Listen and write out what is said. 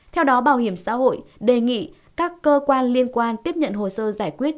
theo đó bảo hiểm xã hội đề nghị các cơ quan liên quan tiếp nhận hồ sơ giải quyết